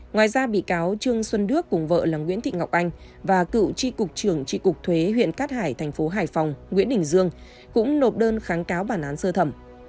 ngoài ra bị cáo trương xuân đức cùng vợ là nguyễn thị ngọc anh và cựu tri cục trưởng tri cục thuế huyện cát hải thành phố hải phòng nguyễn đình dương cũng nộp đơn kháng cáo bản án sơ thẩm